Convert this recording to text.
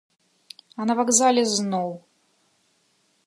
А на вакзале зноў!